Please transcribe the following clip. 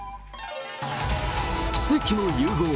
奇跡の融合？